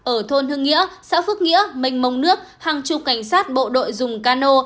ở thôn hương nghĩa xã phước nghĩa mênh mông nước hàng chục cảnh sát bộ đội dùng cano